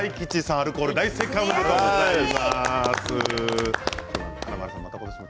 アルコール大正解おめでとうございます。